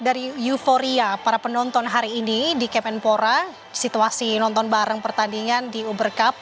dari euforia para penonton hari ini di kemenpora situasi nonton bareng pertandingan di uber cup